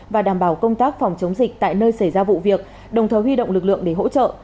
và đảm bảo công tác phòng chống dịch tại nơi xảy ra vụ việc đồng thời huy động lực lượng để hỗ trợ